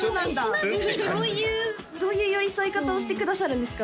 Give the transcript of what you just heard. ちなみにどういうどういう寄り添い方をしてくださるんですか？